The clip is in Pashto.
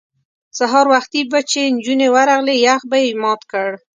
سهار وختي به چې نجونې ورغلې یخ به یې مات کړ.